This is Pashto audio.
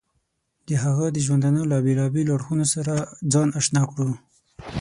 د هغه د ژوندانه له بېلابېلو اړخونو سره ځان اشنا کړو.